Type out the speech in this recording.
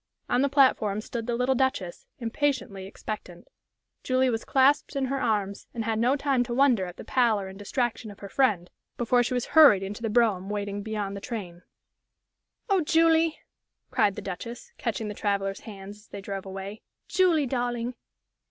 On the platform stood the little Duchess, impatiently expectant. Julie was clasped in her arms, and had no time to wonder at the pallor and distraction of her friend before she was hurried into the brougham waiting beyond the train. "Oh, Julie!" cried the Duchess, catching the traveller's hands, as they drove away. "Julie, darling!"